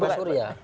bukan bukan suria